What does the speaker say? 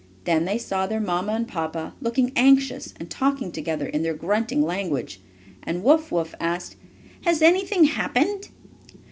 Then they saw their mamma and papa looking anxious, and talking together in their grunting language, and Wuff Wuff asked: "Has anything happened?"